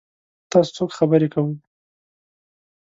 تاسو څوک خبرې کوئ؟